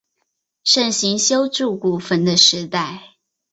盛行修筑古坟的时代。